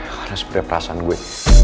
karena setiap perasaan gue